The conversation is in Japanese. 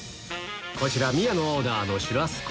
こちら宮野オーダーのシュラスコ